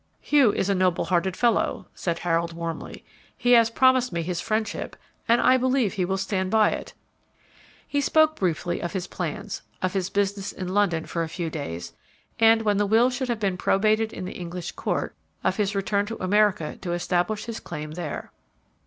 "Hugh is a noble hearted fellow," said Harold, warmly. "He has promised me his friendship, and I believe he will stand by it." He spoke briefly of his plans; of his business in London for a few days; and, when the will should have been probated in the English court, of his return to America to establish his claim there.